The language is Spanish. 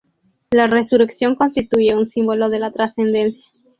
La resurrección constituye un símbolo de la trascendencia.